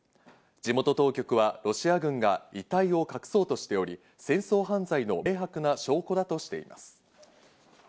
地元当局はロシア軍が遺体を隠そうとしており、戦争犯罪の明白な証拠だとしています。